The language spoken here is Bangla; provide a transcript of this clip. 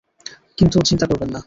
কিন্তু, চিন্তা করবেন না।